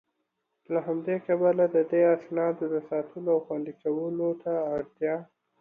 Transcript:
له همدي کبله د دې اسنادو د ساتلو او خوندي کولو ته اړتيا